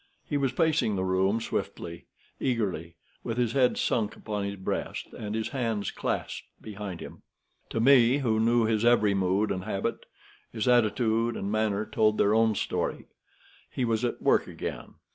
He was pacing the room swiftly, eagerly, with his head sunk upon his chest, and his hands clasped behind him. To me, who knew his every mood and habit, his attitude and manner told their own story. He was at work again.